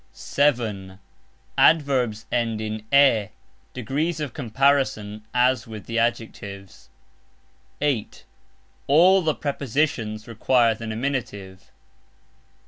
(7) ADVERBS end in "e;" degrees of comparison as with the adjectives. (8) ALL the PREPOSITIONS require the nominative.